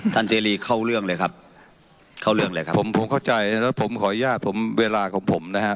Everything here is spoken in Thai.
เจรีเข้าเรื่องเลยครับเข้าเรื่องเลยครับผมผมเข้าใจแล้วผมขออนุญาตผมเวลาของผมนะฮะ